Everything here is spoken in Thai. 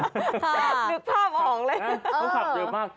นึกภาพออกเลยเออต้องขับเร็วมาก